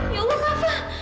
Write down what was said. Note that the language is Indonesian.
ya allah kava